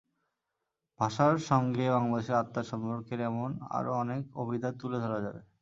ভাষার সঙ্গে বাংলাদেশের আত্মার সম্পর্কের এমন আরও অনেক অভিধা তুলে ধরা যাবে।